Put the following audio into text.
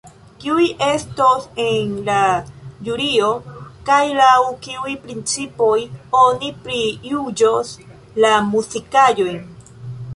Kiuj estos en la ĵurio, kaj laŭ kiuj principoj oni prijuĝos la muzikaĵojn?